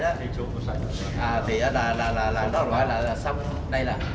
những cái mà nó để lại đó nó gọi là sông đây là